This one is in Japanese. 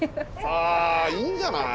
あいいんじゃない？